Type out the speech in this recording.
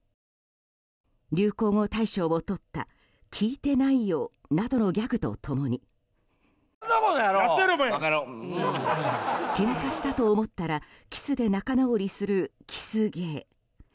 流行語大賞をとった聞いてないよォなどのギャグと共にケンカしたと思ったらキスで仲直りするキス芸。